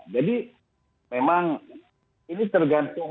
jadi memang ini tergantung